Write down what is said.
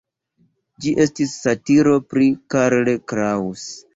Ĝi estis satiro pri Karl Kraus.